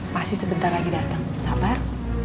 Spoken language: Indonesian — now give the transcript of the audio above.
pasti sebentar lagi datang sabar